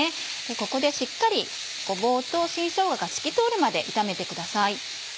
ここでしっかりごぼうと新しょうがが透き通るまで炒めてください。